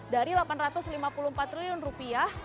dari delapan ratus lima puluh empat triliun rupiah